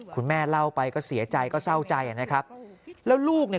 คุณแม่เล่าไปก็เสียใจก็เศร้าใจนะครับแล้วลูกเนี่ย